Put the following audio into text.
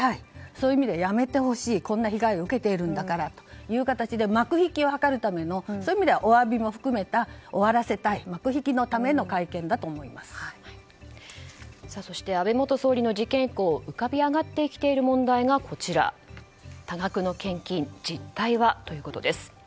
そういう意味でやめてほしいこんな被害を受けているんだからという形で幕引きを図るためのそういう意味ではお詫びも含めた終わらせたい、幕引きのための安倍元総理の事件以降浮かび上がってきている問題が多額の献金、実態は？ということです。